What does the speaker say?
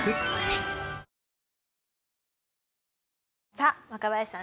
さあ若林さん